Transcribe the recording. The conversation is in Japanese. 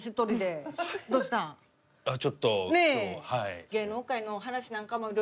ちょっと今日はい。